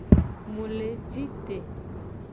Mu le ji te.